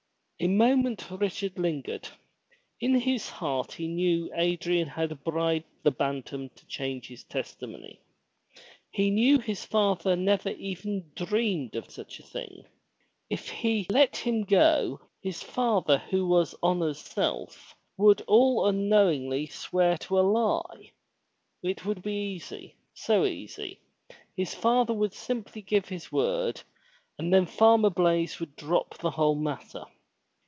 A moment Richard lingered. In his heart he knew that Adrian had bribed the Bantam to change his testimony. He knew his father never even dreamed of such a thing. If he let him go, his father who was honor's self, would ail unknowingly swear to a lie. It would be easy, so easy. His father would simply give his word, and then Farmer Blaize would drop the whole matter.